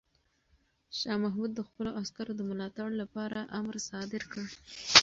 شاه محمود د خپلو عسکرو د ملاتړ لپاره امر صادر کړ.